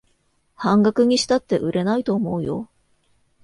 半額にしたって売れないと思うよ